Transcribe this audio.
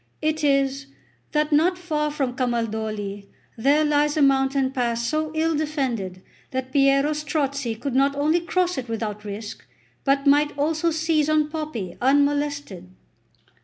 It is, that not far from Camaldoli there lies a mountain pass so ill defended, that Piero Strozzi could not only cross it without risk, but might also seize on Poppi unmolested."